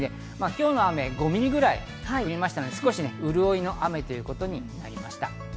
今日の雨は５ミリぐらい降りましたので、潤いの雨となりました。